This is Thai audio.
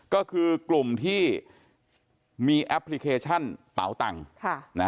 ก็คือกลุ่มที่มีแอปพลิเคชันเป๋าตังค์